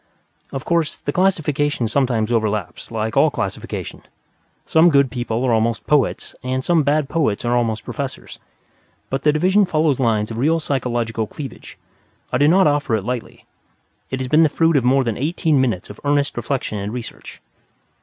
Of course, the classification sometimes overlaps, like all classification. Some good people are almost poets and some bad poets are almost professors. But the division follows lines of real psychological cleavage. I do not offer it lightly. It has been the fruit of more than eighteen minutes of earnest reflection and research.